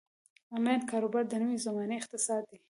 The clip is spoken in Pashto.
انلاین کاروبار د نوې زمانې اقتصاد دی.